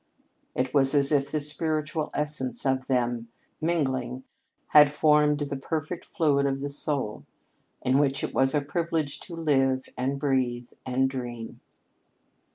It was as if the spiritual essence of them, mingling, had formed the perfect fluid of the soul, in which it was a privilege to live and breathe and dream.